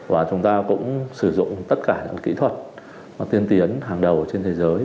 và chúng ta cũng sử dụng tất cả những kỹ thuật tiên tiến hàng đầu trên thế giới